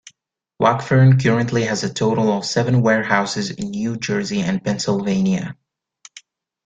Wakefern currently has a total of seven warehouses in New Jersey and Pennsylvania.